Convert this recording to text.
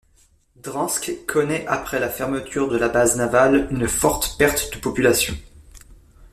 Dranske connaît après la fermeture de la base navale une forte perte de population.